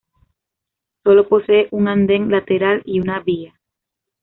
Solo posee un anden lateral y una vía.